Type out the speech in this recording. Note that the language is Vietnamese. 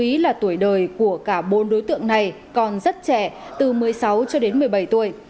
tuy là tuổi đời của cả bốn đối tượng này còn rất trẻ từ một mươi sáu cho đến một mươi bảy tuổi